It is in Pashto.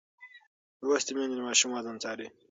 لوستې میندې د ماشوم وزن څاري.